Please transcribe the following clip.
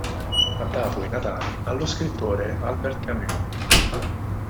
Ha dato i natali allo scrittore Albert Camus.